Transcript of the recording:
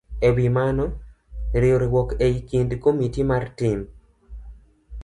E wi mano, riwruok e kind komiti mar timb